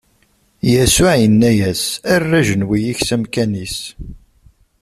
Yasuɛ inna-as: Err ajenwi-ik s amkan-is.